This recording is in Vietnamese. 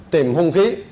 tìm hung khí